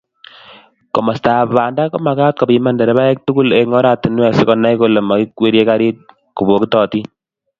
Komostab banda komagat kopiman nderebaek tugul eng oratinwek si konai kole maikwerie garit kobokitotin